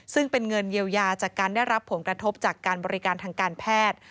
ซึ่งเป็นเงินเยียวยาจากการได้รับผลกระทบจากการบริการทางการแพทย์